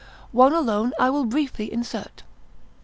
One alone I will briefly insert.